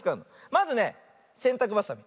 まずねせんたくばさみ。